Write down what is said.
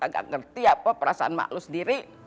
gak ngerti apa perasaan emak lu sendiri